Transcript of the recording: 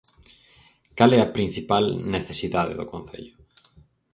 Cal é a principal necesidade do concello?